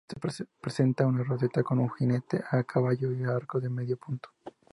Presenta una roseta con un jinete a caballo y arcos de medio punto.